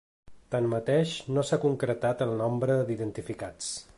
Tanmateix, no s’ha concretat el nombre d’identificats.